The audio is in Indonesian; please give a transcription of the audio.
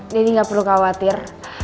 deddy gak perlu khawatir